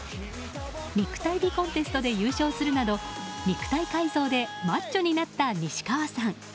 肉体美コンテストで優勝するなど肉体改造でマッチョになった西川さん。